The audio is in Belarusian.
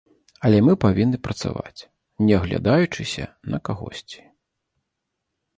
Але мы павінны працаваць, не аглядаючыся на кагосьці.